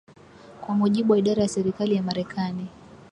Kwa mujibu wa Idara ya Serikali ya Marekani